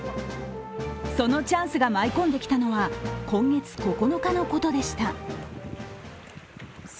そのチャンスが舞い込んできたのは今月９日のことでした。